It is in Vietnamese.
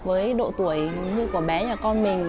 với độ tuổi như của bé nhà con mình